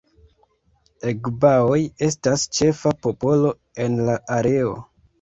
Egbaoj estas ĉefa popolo en la areo.